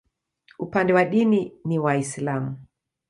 Upande wa dini ni Waislamu.